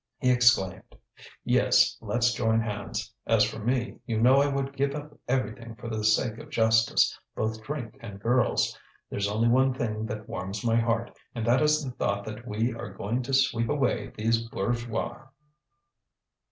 He exclaimed: "Yes, let's join hands. As for me, you know I would give up everything for the sake of justice, both drink and girls. There's only one thing that warms my heart, and that is the thought that we are going to sweep away these bourgeois."